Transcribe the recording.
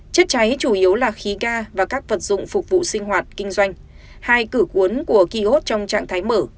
chất cháy chủ yếu là khí ga và các vật dụng phục vụ sinh hoạt kinh doanh